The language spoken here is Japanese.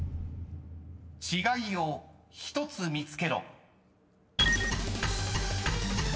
［違いを１つ見つけろ］